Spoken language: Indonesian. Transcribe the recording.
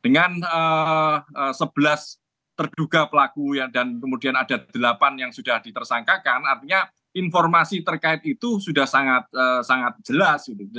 dengan sebelas terduga pelaku dan kemudian ada delapan yang sudah ditersangkakan artinya informasi terkait itu sudah sangat jelas